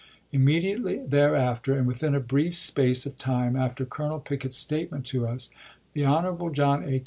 Immediately thereafter, and within a brief space of time after Colonel Pickett's statement to us, the Hon. John A.